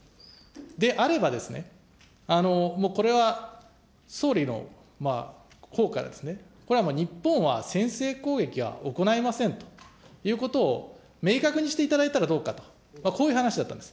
であれば、もうこれは総理のほうから、これはもう、日本は先制攻撃は行いませんということを明確にしていただいたらどうかと、こういう話だったんです。